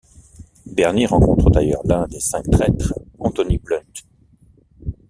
Bernie rencontre d'ailleurs l'un des cinq traîtres, Anthony Blunt.